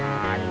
aduh mah bro